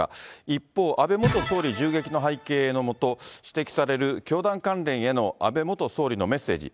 一方、安倍元総理銃撃の背景のもと、指摘される教団関連への安倍元総理のメッセージ。